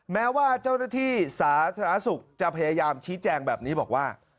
แม้ว่าเจ้าหน้าที่สาธารณสุขจะพยายามชี้แจงแบบนี้บอกว่า